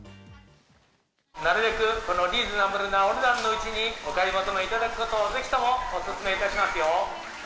なるべくリーズナブルなお値段のうちにお買い求めいただくことを、ぜひともお勧めいたしますよ。